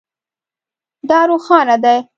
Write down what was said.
دا روښانه دی